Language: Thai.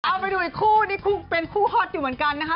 เอาไปดูอีกคู่นี่คู่เป็นคู่ฮอตอยู่เหมือนกันนะคะ